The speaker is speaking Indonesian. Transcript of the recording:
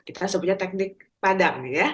kita sebutnya teknik padang